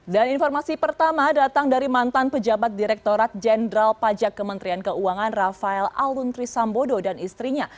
dan informasi pertama datang dari mantan pejabat direktorat jenderal pajak kementerian keuangan rafael aluntri sambodo dan istrinya